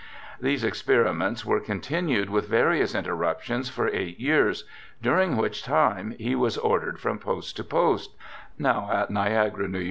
These experiments were continued, with various interruptions, for eight years, during which time he was ordered from post to post — now at Niagara, N.Y.